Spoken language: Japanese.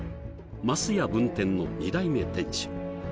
ますや分店の２代目店主